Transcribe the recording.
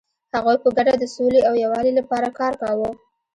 هغوی په ګډه د سولې او یووالي لپاره کار کاوه.